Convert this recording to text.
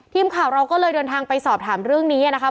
ทีมข่าวเราก็เลยเดินทางไปสอบถามเรื่องนี้นะครับ